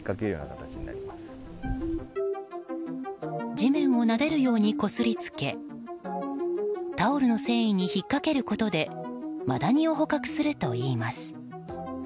地面をなでるようにこすりつけタオルの繊維に引っかけることでマダニを捕獲するといいます。